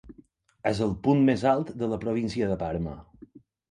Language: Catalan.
És el punt més alt de la província de Parma.